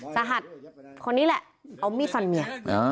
สหัสคนนี้แหละเอามีดฟันเมีย